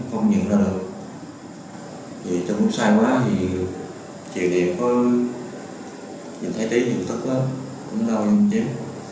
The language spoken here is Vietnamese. vì trong lúc sai quá thì chịu điểm có nhìn thấy tí nhìn thức không đau nhìn em